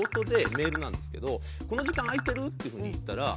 メールなんですけど「この時間空いてる？」っていう風に言ったら。